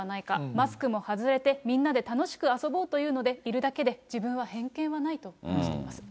マスクも外れてみんなで楽しく遊ぼうというのでいるだけで、自分は偏見はないと話しています。